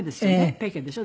ペケでしょ。